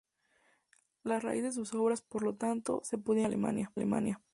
La raíz de sus obras, por lo tanto, se podía encontrar en Alemania.